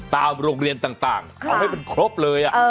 ตามโรงเรียนต่างเอาให้มันครบเลย